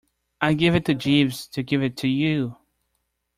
I gave it to Jeeves to give it to you.